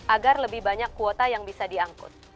agar lebih banyak kuota yang bisa diangkut